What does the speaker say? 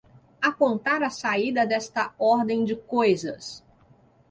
apontar a saída desta ordem de coisas